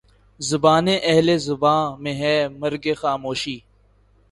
زبانِ اہلِ زباں میں ہے مرگِ خاموشی